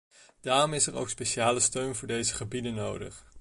Daarom is er ook speciale steun voor deze gebieden nodig.